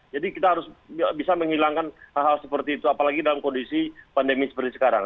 jadi kita harus bisa menghilangkan hal hal seperti itu apalagi dalam kondisi pandemi seperti sekarang